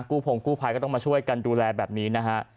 พงกู้ภัยก็ต้องมาช่วยกันดูแลแบบนี้นะฮะ